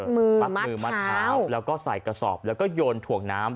มัดมือมัดเท้าแล้วก็ใส่กระสอบแล้วก็โยนถ่วงน้ำ